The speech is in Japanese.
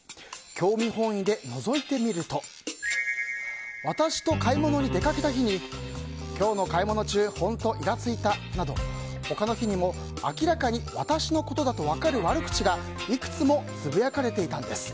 興味本位でのぞいてみると私と買い物に出かけた日に今日の買い物中本当にイラついたなど他の日にも明らかに私のことだとわかる悪口がいくつもつぶやかれていたんです。